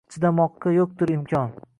Chidamoqqa yo’qdir imkon